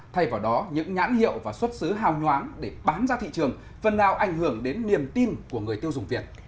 thay vào đó những nhãn hiệu và xuất xứ hào nhoáng để bán ra thị trường phần nào ảnh hưởng đến niềm tin của người tiêu dùng việt